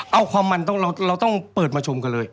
เอาความมันเราต้องเปิดมาชมกันเลย